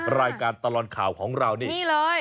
รายการตลอดข่าวของเรานี่นี่เลย